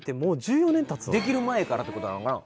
できる前からってことなのかな？